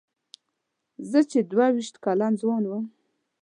زه چې دوه وېشت کلن ځوان وم.